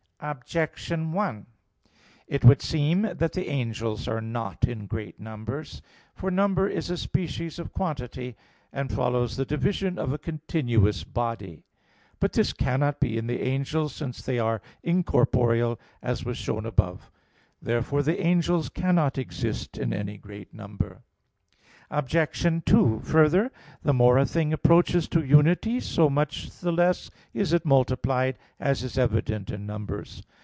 Objection 1: It would seem that the angels are not in great numbers. For number is a species of quantity, and follows the division of a continuous body. But this cannot be in the angels, since they are incorporeal, as was shown above (A. 1). Therefore the angels cannot exist in any great number. Obj. 2: Further, the more a thing approaches to unity, so much the less is it multiplied, as is evident in numbers.